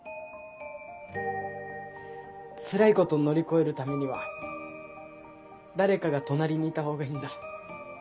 つらいこと乗り越えるためには誰かが隣にいた方がいいんだ。